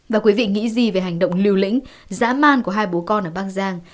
và quý vị nghĩ gì về hành động lưu lĩnh dã man của hai bố con ở bắc giang